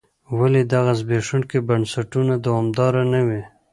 ولې دغه زبېښونکي بنسټونه دوامداره نه وي.